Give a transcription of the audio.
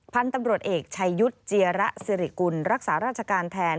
พันธุ์ตำรวจเอกชัยยุทธ์เจียระสิริกุลรักษาราชการแทน